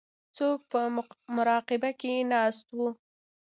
څوک په مراقبه کې ناست وو.